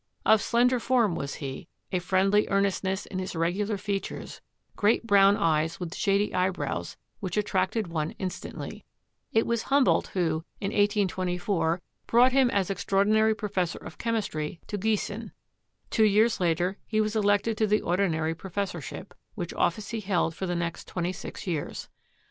"Of slender form was he, a friendly earnestness in his regular fea tures, great brown eyes with shady eyebrows which at tracted one instantly." It was Humboldt who, in 1824, brought him as extraordinary professor of chemistry to Giessen. Two years later he was elected to the ordinary professorship, which office he held for the next twen ty six years.